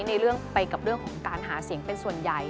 ในเรื่องไปกับเรื่องของการหาเสียงเป็นส่วนใหญ่